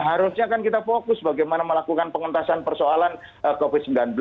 harusnya kan kita fokus bagaimana melakukan pengentasan persoalan covid sembilan belas